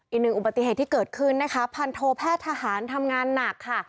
อีกหนึ่งอุบัติเหตุที่เกิดขึ้นนะคะพันโทแพทย์ทหารทำงานหนักค่ะ